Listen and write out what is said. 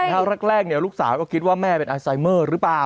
ถ้าครับแรกเนี่ยลูกสาวก็คิดว่าแม่เป็นอาซไซม่อ์หรือเปล่า